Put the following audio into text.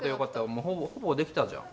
もうほぼできたじゃん。